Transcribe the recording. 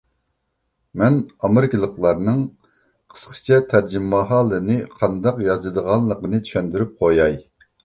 مەن ئامېرىكىلىقلارنىڭ قىسقىچە تەرجىمىھالىنى قانداق يازىدىغانلىقىنى چۈشەندۈرۈپ قوياي.